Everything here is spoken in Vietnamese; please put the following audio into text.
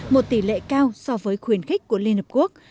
một tỷ lệ cao so với khuyến khích của liên hợp quốc